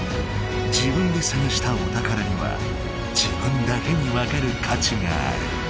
自分で探したお宝には自分だけにわかるかちがある。